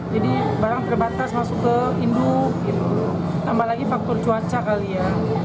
jadi barang terbatas masuk ke induk gitu tambah lagi faktor cuaca kali ya